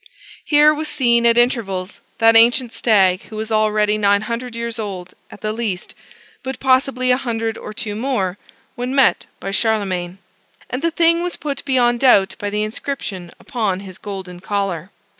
Here was seen, at intervals, that ancient stag who was already nine hundred years old, at the least, but possibly a hundred or two more, when met by Charlemagne; and the thing was put beyond doubt by the inscription upon his golden collar.